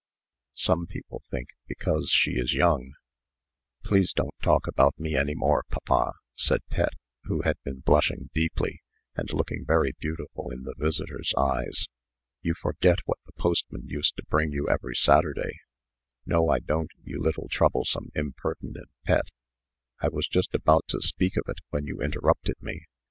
Some people think, because she is young " "Please don't talk about me any more, papa," said Pet, who had been blushing deeply, and looking very beautiful in the visitor's eyes. "You forget what the postman used to bring you every Saturday." "No, I don't, you little, troublesome, impertinent Pet. I was just about to speak of it, when you interrupted me.